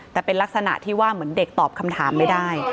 แต่เป็นลักษณะที่ว่าเหมือนเด็กตอบคำถามไม่ได้